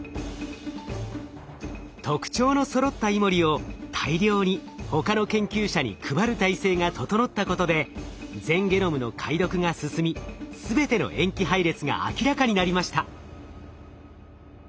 特徴のそろったイモリを大量に他の研究者に配る体制が整ったことで全ゲノムの解読が進み全ての塩基配列が明らかになりました。